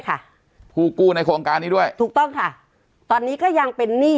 ค่ะผู้กู้ในโครงการนี้ด้วยถูกต้องค่ะตอนนี้ก็ยังเป็นหนี้